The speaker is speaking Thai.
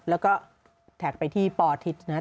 แล้วก็แท็กไปที่ปทิศนะครับ